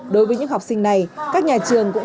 đối với những học sinh này các nhà trường